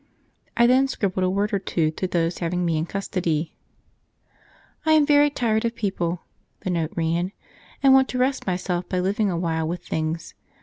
I then scribbled a word or two to those having me in custody. "I am very tired of people," the note ran, "and want to rest myself by living a while with things.